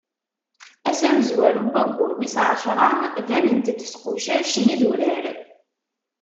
Ass amezwaru n waggur wis ɛecṛa, banent-d tqucac n idurar.